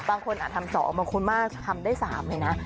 บางคนอาจทำ๒บางคนมากทำได้๓เลยนะ